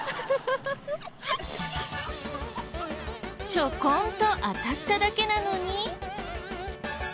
ちょこんと当たっただけなのに。